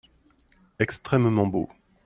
Extrêmement beau.